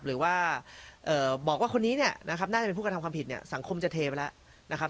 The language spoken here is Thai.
หรือว่าบอกว่าคนนี้เนี่ยนะครับน่าจะเป็นผู้กระทำความผิดเนี่ยสังคมจะเทไปแล้วนะครับ